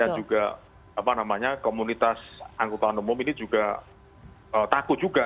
dan juga apa namanya komunitas anggota umum ini juga takut juga